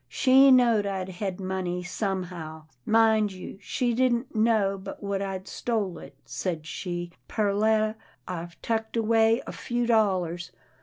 She knowed I'd hed money, some how. Mind you, she didn't know but what I'd stole it. Said she, ' Perletta, I've tucked away a few dollars.